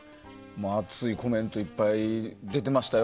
熱いコメントいっぱい出てましたよ。